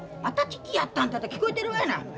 また聞きやったんて聞こえてるがな。